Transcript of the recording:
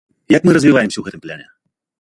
Як мы развіваемся ў гэтым плане?